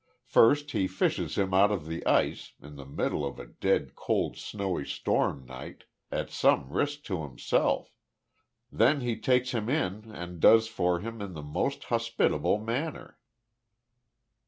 First he fishes him out of the ice, in the middle of a dead cold snow stormy night, at some risk to himself; then he takes him in and does for him in the most hospitable manner."